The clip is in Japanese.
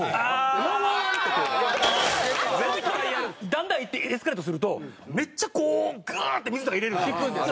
だんだんいってエスカレートするとめっちゃこうグッて水の中入れるんですよ。